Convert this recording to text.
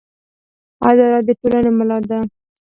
عدالت د ټولنې ملا ده.